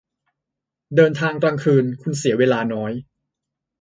เดินทางกลางคืน คุณเสียเวลาน้อย